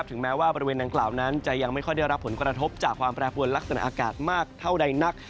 แม้ว่าบริเวณดังกล่าวนั้นจะยังไม่ค่อยได้รับผลกระทบจากความแปรปวนลักษณะอากาศมากเท่าใดนัก